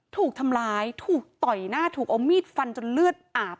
ถูกทำร้ายถูกต่อยหน้าถูกเอามีดฟันจนเลือดอาบ